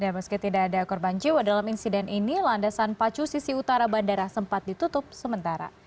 meski tidak ada korban jiwa dalam insiden ini landasan pacu sisi utara bandara sempat ditutup sementara